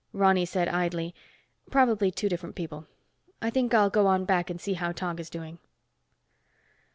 Ronny said idly, "Probably two different people. I think I'll go on back and see how Tog is doing."